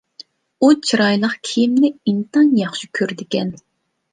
ئۇ چىرايلىق كىيىمنى ئىنتايىن ياخشى كۆرىدىكەن،